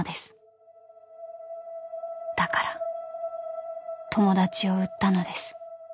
［だから友達を売ったのです］